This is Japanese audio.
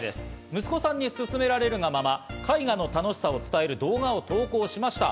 息子さんに勧められるがまま、絵画の楽しさを伝える動画を投稿しました。